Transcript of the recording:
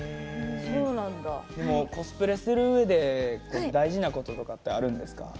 コスプレするうえで大事なこととかってあるんですか。